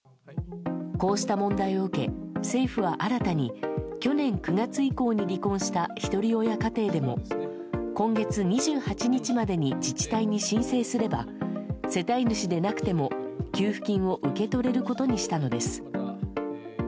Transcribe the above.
こうした問題を受け、政府は新たに、去年９月以降に離婚したひとり親家庭でも、今月２８日までに自治体に申請すれば、世帯主でなくても給付金を受け取れることにしたのです。